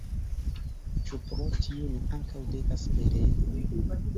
Ĉu pro tio ni ankaŭ devas perei?